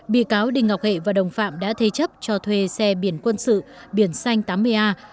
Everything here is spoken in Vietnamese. bị cáo đinh ngọc hệ và đồng phạm đã thế chấp cho thuê xe biển quân sự biển xanh tám mươi a